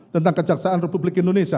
tentang kejaksaan ri